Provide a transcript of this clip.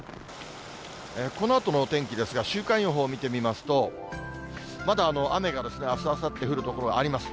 このあとのお天気ですが、週間予報見てみますと、まだ雨が、あす、あさって降る所があります。